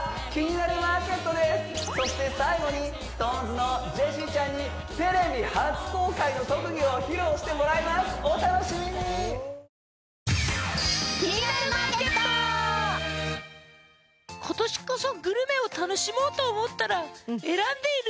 そして最後にＳｉｘＴＯＮＥＳのジェシーちゃんにテレビ初公開の特技を披露してもらいますお楽しみにアハハハハッそうよ！